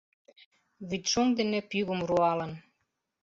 Вӱдшоҥ дене пӱгым руалын